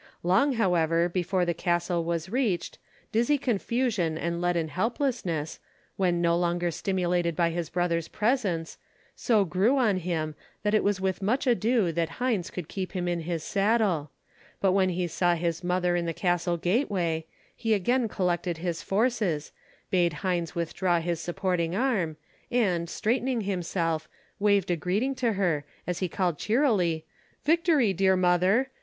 Long, however, before the castle was reached, dizzy confusion and leaden helplessness, when no longer stimulated by his brother's presence, so grew on him that it was with much ado that Heinz could keep him in his saddle; but, when he saw his mother in the castle gateway, he again collected his forces, bade Heinz withdraw his supporting arm, and, straightening himself, waved a greeting to her, as he called cheerily; "Victory, dear mother.